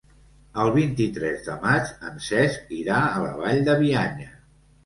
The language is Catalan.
El vint-i-tres de maig en Cesc irà a la Vall de Bianya.